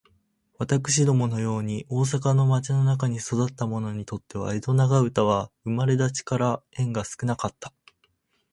私どもの様に大阪の町の中に育つた者にとつては、江戸長唄は生れだちから縁が少かつた。